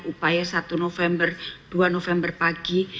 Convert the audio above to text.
upaya satu november dua november pagi